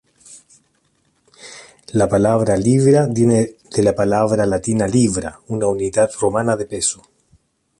La palabra libra viene de la palabra latina "libra", una unidad romana de peso.